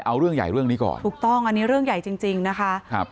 เอาเรื่องใหญ่เรื่องนี้ก่อนถูกต้องอันนี้เรื่องใหญ่จริงจริงนะคะครับ